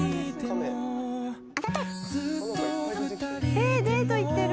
えっデート行ってる！